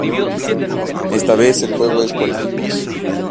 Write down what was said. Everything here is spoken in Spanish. Esta vez el juego es por equipos.